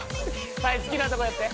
はい好きなとこやって。